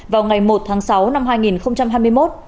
vào ngày một tháng sáu năm hai nghìn hai mươi một